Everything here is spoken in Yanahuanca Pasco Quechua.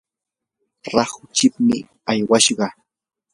rahu chimpiq aywashqa.